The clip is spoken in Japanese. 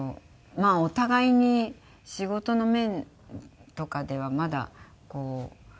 まあお互いに仕事の面とかではまだこう。